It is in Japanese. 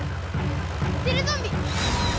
テレゾンビ！